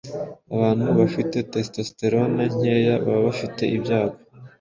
abantu bafite testosterone nkeya baba bafite ibyago